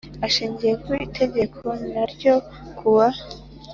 Ashingiye ku itegeko no ryo kuwa